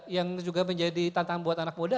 yang juga menjadi tantangan buat anak muda